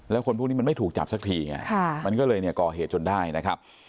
แล้วคนพวกนี้มันไม่ถูกจับสักทีไงมันก็เลยเนี่ยก่อเหตุจนได้นะครับ